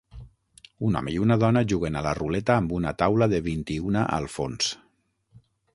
Un home i una dona juguen a la ruleta amb una taula de vint-i-una al fons.